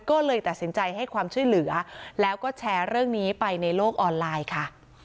ก็เลยตัดสินใจให้ความช่วยเหลือแล้วก็แชร์เรื่องนี้ไปในโลกออนไลน์ค่ะ